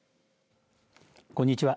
こんにちは。